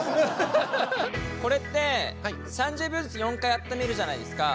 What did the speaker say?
これって３０秒ずつ４回温めるじゃないですか。